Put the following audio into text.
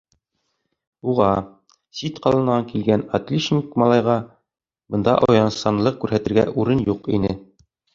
Уға, сит ҡаланан килгән отличник малайға, бында оялсанлыҡ күрһәтергә урын юҡ ине.